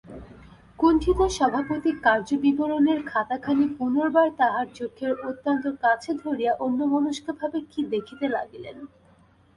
কুণ্ঠিত সভাপতি কার্যবিবরণের খাতাখানি পুনর্বার তাঁহার চোখের অত্যন্ত কাছে ধরিয়া অন্যমনস্কভাবে কী দেখিতে লাগিলেন।